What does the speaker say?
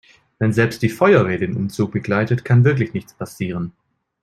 Wenn selbst die Feuerwehr den Umzug begleitet, kann wirklich nichts passieren.